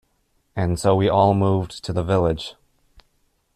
And so we all moved to the village.